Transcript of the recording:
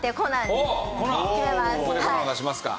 ここで『コナン』を出しますか。